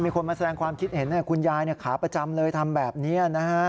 มีคนมาแสดงความคิดเห็นคุณยายขาประจำเลยทำแบบนี้นะฮะ